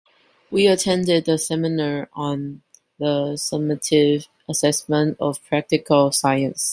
We attended a seminar on the summative assessment of practical science.